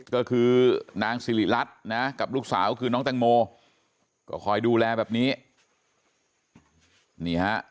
ก็คือนางสิริรัตน์นะกับลูกสาวคือน้องแตงโมก็คอยดูแลแบบนี้นี่ฮะ